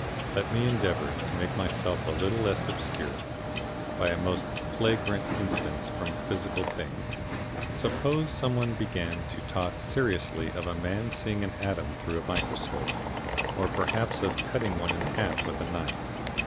Let me endeavour to make myself a little less obscure by a most flagrant instance from physical things. Suppose some one began to talk seriously of a man seeing an atom through a microscope, or better perhaps of cutting one in half with a knife.